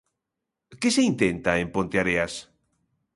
Que se intenta en Ponteareas?